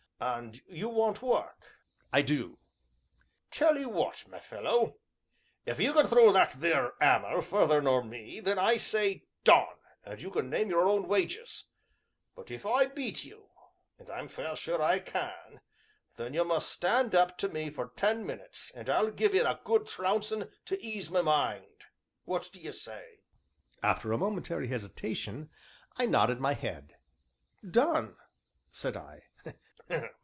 "And you want work?" "I do." "Tell 'ee what, my fellow, if you can throw that theer 'ammer further nor me, then I'll say, 'Done,' and you can name your own wages, but if I beat you, and I'm fair sure I can, then you must stand up to me for ten minutes, and I'll give 'ee a good trouncin' to ease my mind what d'ye say?" After a momentary hesitation, I nodded my head. "Done!" said I.